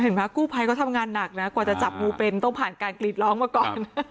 เห็นไหมกู้ไพ้เขาทำงานหนักนะกว่าจะจับวูเป็นต้องผ่านการกรีดร้องมาก่อน